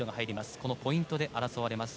このポイントで争われます